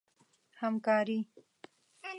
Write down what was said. همکاري